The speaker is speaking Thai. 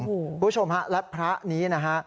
คุณผู้ชมฮะและพระนี้นะฮะ